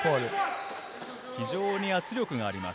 非常に圧力があります。